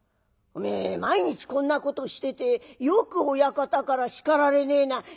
おめえ毎日こんなことしててよく親方から叱られねえな」。